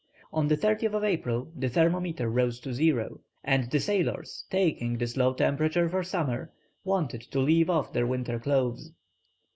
On the 30th April the thermometer rose to zero, and the sailors taking this low temperature for summer wanted to leave off their winter clothes.